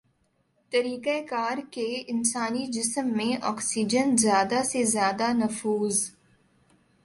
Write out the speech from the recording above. طریقہ کار کے انسانی جسم میں آکسیجن زیادہ سے زیادہ نفوذ